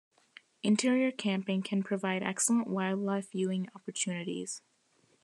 Interior camping can provide excellent wildlife viewing opportunities.